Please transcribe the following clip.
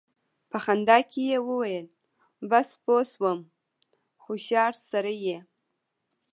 په خندا کې يې وويل: بس! پوه شوم، هوښيار سړی يې!